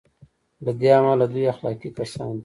له دې امله دوی اخلاقي کسان دي.